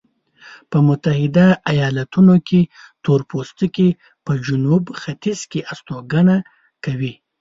په متحده ایلاتونو کې تورپوستکي په جنوب ختیځ کې استوګنه کوي.